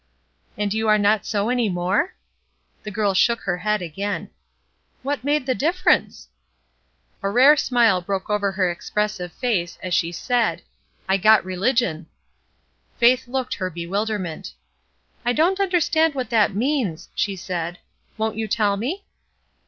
''And you are not so any more?" The girl shook her head again. "What made the difference?" MELINDY 195 A rare smile broke over her expressive face as she said, ''I got religion." Faith looked her bewilderment. ''I don't understand what that means," she said. ''Won't you tell me?"